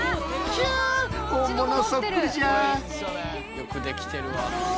よく出来てるわ。